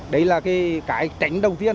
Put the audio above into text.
đấy là cái tránh đầu tiên